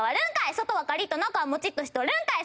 外はカリッと中はモチッとしとるんかい！